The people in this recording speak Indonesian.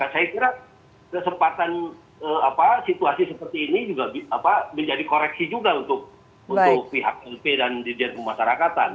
saya kira kesempatan situasi seperti ini juga menjadi koreksi juga untuk pihak lp dan dirjen pemasarakatan